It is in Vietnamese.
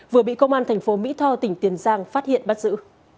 vừa bị công an thành phố mỹ tho tỉnh tiền giang phát hiện bắt giữ